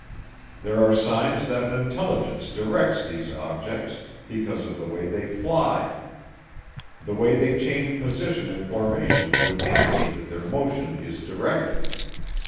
"There are signs that an intelligence directs these objects because of the way they fly. The way they change position in formations would indicate that their motion is directed.